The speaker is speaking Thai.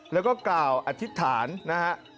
แล้วก็กล่าวอธิษฐานนะฮะ